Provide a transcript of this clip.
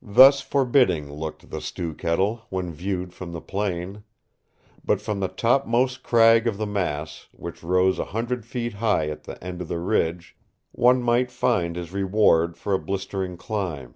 Thus forbidding looked the Stew Kettle, when viewed from the plain. But from the top most crag of the mass, which rose a hundred feet high at the end of the Ridge, one might find his reward for a blistering climb.